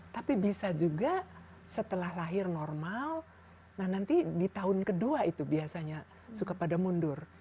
tapi bisa juga setelah lahir normal nah nanti di tahun kedua itu biasanya suka pada mundur